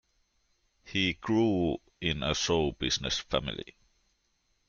He grew in a show business family.